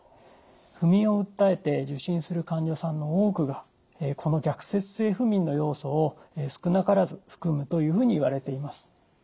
不眠を訴えて受診する患者さんの多くがこの逆説性不眠の要素を少なからず含むというふうにいわれています。